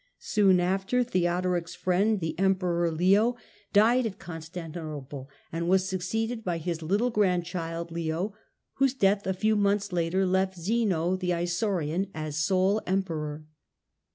Soon after, Theodoric's friend, THE RISE OF THEODORIC 19 the Emperor Leo, died at Constantinople, and was succeeded by his little grandchild Leo, whose death a few months later left Zeno the Isaurian as sole Emperor.